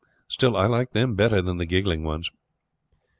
Still, I like them better than the giggling ones."